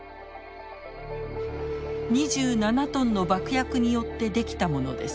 ２７トンの爆薬によって出来たものです。